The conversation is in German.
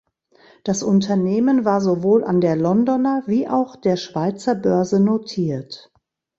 Das Unternehmen war sowohl an der Londoner wie auch der Schweizer Börse notiert.